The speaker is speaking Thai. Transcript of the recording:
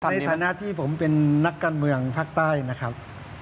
ในฐานะที่ผมเป็นนักการเมืองภาคใต้นะครับ